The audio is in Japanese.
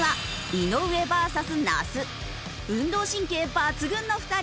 運動神経抜群の２人。